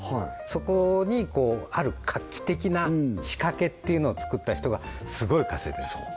そこにある画期的な仕掛けというのを作った人がすごい稼いでるんです